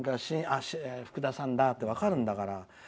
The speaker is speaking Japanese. ふくださんだって分かるんだから。